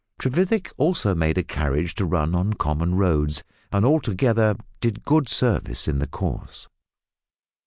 Trevethick also made a carriage to run on common roads, and altogether did good service in the cause.